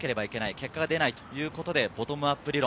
結果が出ないということでボトムアップ理論。